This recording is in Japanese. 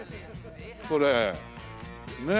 これねえ。